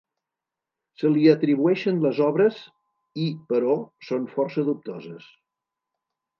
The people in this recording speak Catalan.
Se li atribueixen les obres i però són força dubtoses.